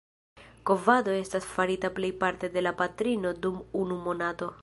Kovado estas farita plejparte de la patrino dum unu monato.